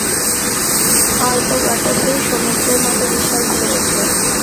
অল্প বাতাসেই সমুদ্রের মতো বিশাল ঢেউ ওঠে।